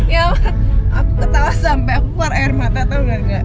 ya ma aku ketawa sampai aku par air mata tahu enggak